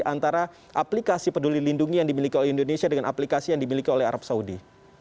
antara aplikasi peduli lindungi yang dimiliki oleh indonesia dengan aplikasi yang dimiliki oleh arab saudi